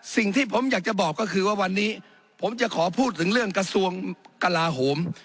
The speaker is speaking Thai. สิ่งที่ผมอยากจะบอกก็คือว่าวันนี้ผมจะขอพูดถึงเรื่องกระทรวงกลาโหม